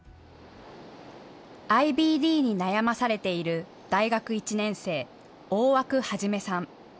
ＩＢＤに悩まされている大学１年生、大和久元さん。